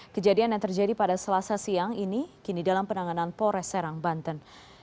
kejadian yang terjadi pada selasa siang ini kini dalam penanganan pores serang banten